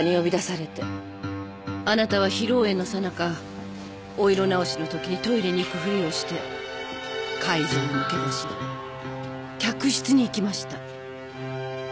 あなたは披露宴のさなかお色直しのときトイレに行くふりをして会場を抜け出し客室に行きました。